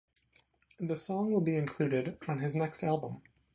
The song will be included on his next album.